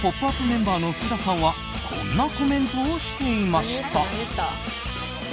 メンバーの福田さんはこんなコメントをしていましたが。